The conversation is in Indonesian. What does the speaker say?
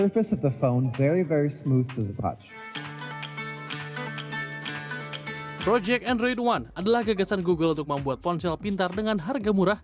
proyek android one adalah gagasan google untuk membuat ponsel pintar dengan harga murah